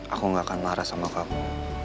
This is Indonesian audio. aku gak akan marah sama kamu